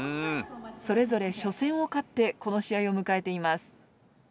それぞれ初戦を勝ってこの試合をむかえています。